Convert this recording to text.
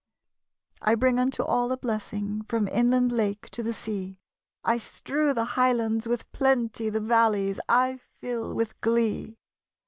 I bring unto all a blessing From inland lake to the sea; I strew the highlands with plenty, The valleys I fill with glee.